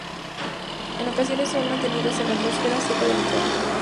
En ocasiones son mantenidos en atmósfera seca de nitrógeno.